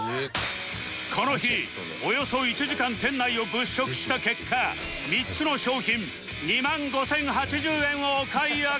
この日およそ１時間店内を物色した結果３つの商品２万５０８０円をお買い上げ